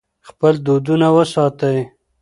خپل دودونه وساتئ.